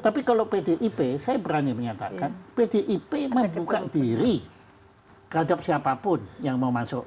tapi kalau pdip saya berani menyatakan pdip membuka diri terhadap siapapun yang mau masuk